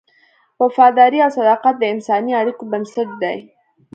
وفاداري او صداقت د انساني اړیکو بنسټ دی.